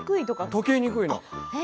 溶けにくいの。